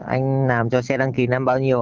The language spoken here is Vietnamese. anh làm cho xe đăng ký năm bao nhiêu